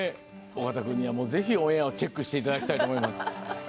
尾形君にはぜひオンエアをチェックしていただきたいと思います。